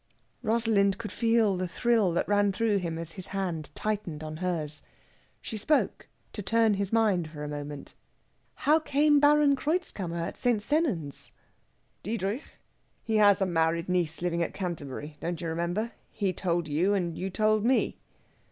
Rosalind could feel the thrill that ran through him as his hand tightened on hers. She spoke, to turn his mind for a moment. "How came Baron Kreutzkammer at St. Sennans?" "Diedrich? He has a married niece living at Canterbury. Don't you remember? He told you and you told me...."